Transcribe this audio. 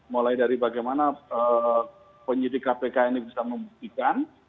mulai dari bagaimana penyidik kpk ini bisa membuktikan